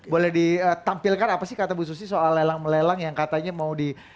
boleh ditampilkan apa sih kata bu susi soal lelang melelang yang katanya mau di